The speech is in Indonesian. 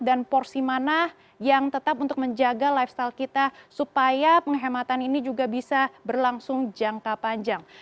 dan porsi mana yang tetap untuk menjaga lifestyle kita supaya penghematan ini juga bisa berlangsung jangka panjang